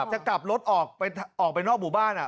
จะกลับรถออกไปนอกหมู่บ้าน